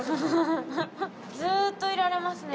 ずーっといられますね